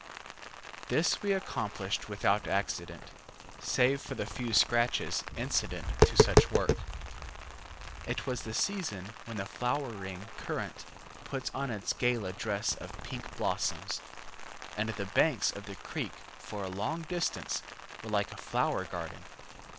This we accomplished without accident, save for the few scratches incident to such work. It was the season when the flowering currant puts on its gala dress of pink blossoms, and the banks of the creek for a long distance were like a flower garden.